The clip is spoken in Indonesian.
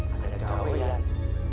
ada kau yang